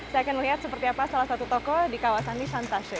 saya akan melihat seperti apa salah satu toko di kawasan nisantashe